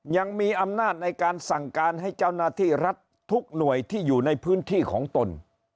ยังมีอำนาจในการสั่งการให้เจ้าหน้าที่รัฐทุกหน่วยที่อยู่ในพื้นที่ของตน